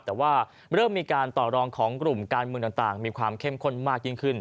แต่ว่าเริ่มมีการต่อรองของกลุ่มการเมืองต่างมีความเข้มข้นมากยิ่งขึ้น